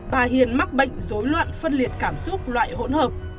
bà hiền mắc bệnh dối loạn phân liệt cảm xúc loại hỗn hợp